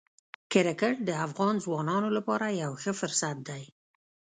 کرکټ د افغان ځوانانو لپاره یو ښه فرصت دی.